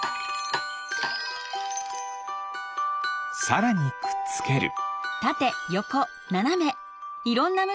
さらにくっつける。